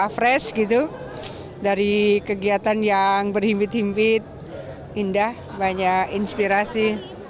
fresh gitu dari kegiatan yang berhimpit himpit indah banyak inspirasi